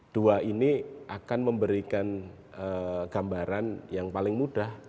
dua ini akan memberikan gambaran yang paling mudah